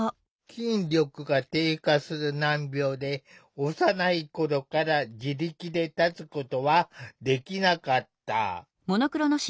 筋力が低下する難病で幼い頃から自力で立つことはできなかった。